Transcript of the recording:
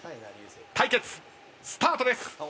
対決スタートです。